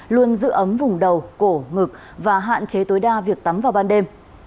luôn giữ ấm vùng đầu cổ ngực và hạn chế tối đa việc tắm vào ban đêm